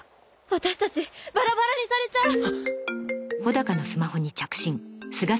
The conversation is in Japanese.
私たちバラバラにされちゃう！